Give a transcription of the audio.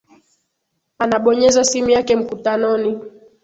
Anabonyeza simu yake mkutanoni